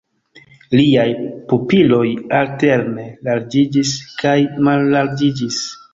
Liaj pupiloj alterne larĝiĝis kaj mallarĝiĝis.